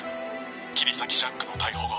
切り裂きジャックの逮捕後